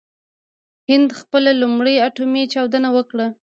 هند خپله لومړۍ اټومي چاودنه وکړه.